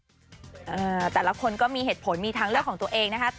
แต่ละคนก็มีเหตุผลมีทางเลือกของตัวเองนะคะ